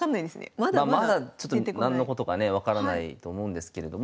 まあまだ何のことかね分からないと思うんですけれども。